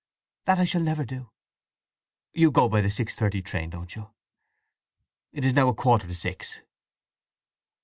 "That I shall never do." "You go by the six thirty train, don't you? It is now a quarter to six."